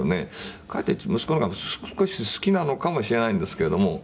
「かえって息子の方が少し好きなのかもしれないんですけれども」